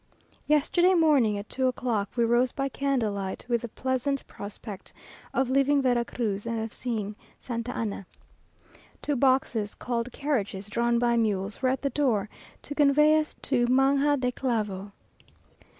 Yesterday morning at two o'clock we rose by candlelight, with the pleasant prospect of leaving Vera Cruz and of seeing Santa Anna. Two boxes, called carriages, drawn by mules, were at the door, to convey us to Magna de Clavo.